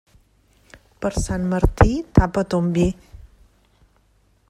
Per Sant Martí, tapa ton vi.